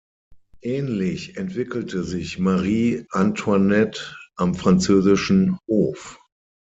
Ähnlich entwickelte sich Marie Antoinette am französischen Hof.